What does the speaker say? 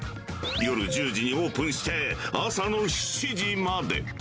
夜１０時にオープンして、朝の７時まで。